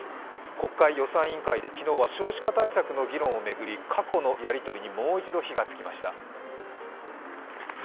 国会予算委員会で昨日は少子化対策の議論を巡り、過去のやり取りにもう一度火がつきました。